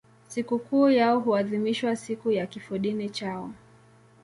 Sikukuu yao huadhimishwa siku ya kifodini chao.